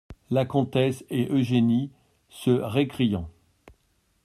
La Comtesse et Eugénie , se récriant.